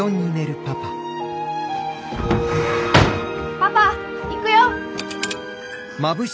パパ行くよ！